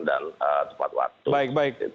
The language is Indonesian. dan tepat waktu